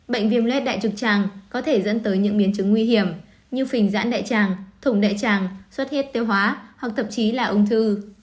bệnh viêm lết đại trực tràng có thể dẫn tới những biến chứng nguy hiểm như phình dãn đại tràng thủng đại tràng xuất hiếp tiêu hóa hoặc thậm chí là ung thư